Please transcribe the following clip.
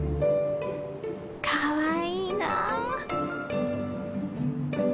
かわいいな。